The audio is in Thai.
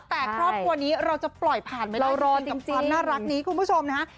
แต่ครอบครัวนี้เราจะปล่อยผ่านไหมเรารอกับความน่ารักนี้คุณผู้ชมนะฮะ